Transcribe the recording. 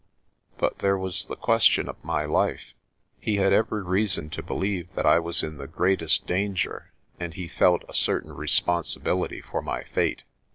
But there was the question of my life. He had every rea son to believe that I was in the greatest danger and he felt a certain responsibility for my fate.